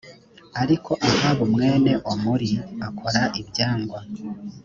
ariko ahabu mwene omuri akora ibyangwa